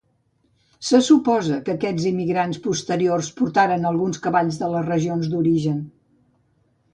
Se suposa que aquests immigrants posteriors portaren alguns cavalls de les regions d’origen.